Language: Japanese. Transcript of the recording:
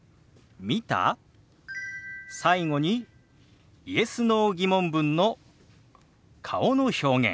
最後にＹｅｓ／Ｎｏ−疑問文の顔の表現。